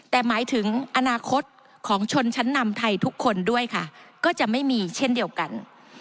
แต่หมายถึงอนาคตของชนชั้นนำไทยทุกคนด้วยค่ะก็จะไม่มีเช่นเดียวกัน